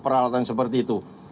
peralatan seperti itu